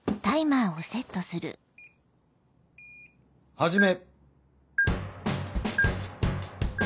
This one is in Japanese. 始め。